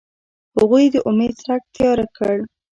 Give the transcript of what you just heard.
هغوی د امید څرک تیاره کړ.